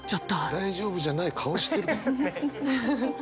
大丈夫じゃない顔してるもん。